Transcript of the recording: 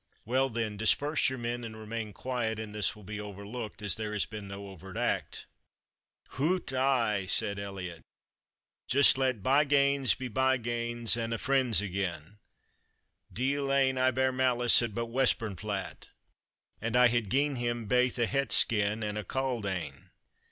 "Well, then, disperse your men, and remain quiet, and this will be overlooked, as there has been no overt act." "Hout, ay," said Elliot, "just let byganes be byganes, and a' friends again; deil ane I bear malice at but Westburnflat, and I hae gien him baith a het skin and a cauld ane.